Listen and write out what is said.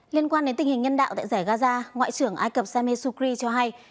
liên quan đến tình hình nhân đạo tại giải gaza ngoại trưởng ai cập sameh sukri cho hay